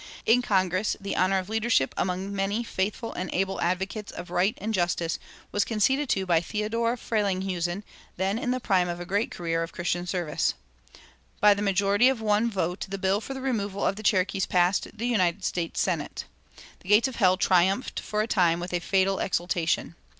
In Congress the honor of leadership among many faithful and able advocates of right and justice was conceded to Theodore Frelinghuysen, then in the prime of a great career of Christian service. By the majority of one vote the bill for the removal of the Cherokees passed the United States Senate. The gates of hell triumphed for a time with a fatal exultation.